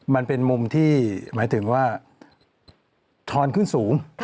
มันเป็นมุมที่หมายถึงว่าทอนขึ้นสูง